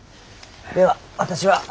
では私は。